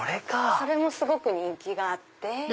それもすごく人気があって。